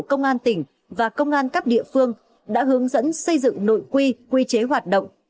công an tỉnh và công an các địa phương đã hướng dẫn xây dựng nội quy quy chế hoạt động